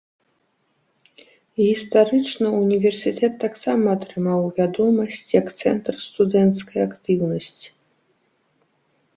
Гістарычна ўніверсітэт таксама атрымаў вядомасць як цэнтр студэнцкай актыўнасці.